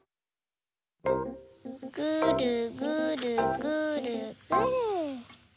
ぐるぐるぐるぐる。